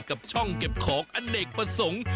กับช่องเก็บของอเนกประสงค์